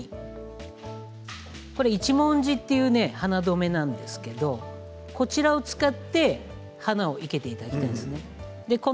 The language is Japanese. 一文字という花留めなんですけどもこちらを使って花を生けていただきたいですね。